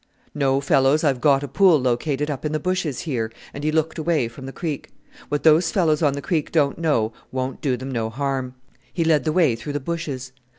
"No, fellows, I've got a pool located up in the bushes here," and he looked away from the creek. "What those fellows on the creek don't know won't do them no harm." He led the way through the bushes.